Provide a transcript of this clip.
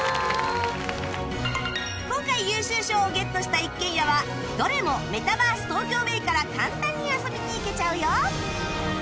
今回優秀賞をゲットした一軒家はどれもメタバース ＴＯＫＹＯＢＡＹ から簡単に遊びに行けちゃうよ